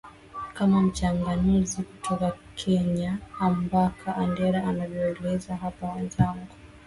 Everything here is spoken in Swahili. kama mchanganuzi kutoka kenya ambaka andere anavyomweleza hapa mwenzangu